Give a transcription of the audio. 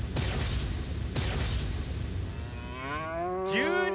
牛乳！？